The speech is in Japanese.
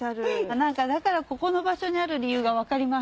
何かだからここの場所にある理由が分かります。